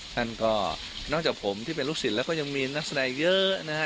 ท่านก็นอกจากผมที่เป็นลูกศิษย์แล้วก็ยังมีนักแสดงเยอะนะฮะ